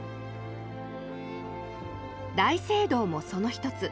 大聖堂もその一つ。